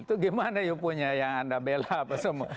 itu gimana you punya yang anda bela apa semua